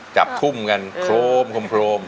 จับทุ่มกันโครมโครม